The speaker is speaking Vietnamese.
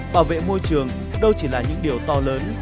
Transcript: bảo vệ môi trường đâu chỉ là những điều to lớn